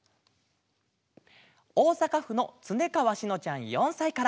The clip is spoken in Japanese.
おおさかふのつねかわしのちゃん４さいから。